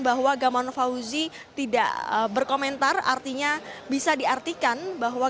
bahwa gaman fauzi tidak berkomentar artinya bisa diartikan bahwa